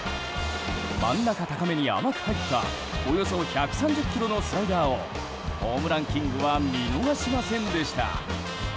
真ん中高めに甘く入ったおよそ１３０キロのスライダーをホームランキングは見逃しませんでした。